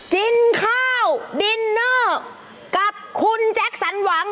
กินข้าวดินเนอร์กับคุณแจ็คสันหวัง